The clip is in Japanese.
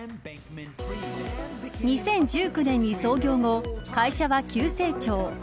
２０１９年に創業後会社は急成長。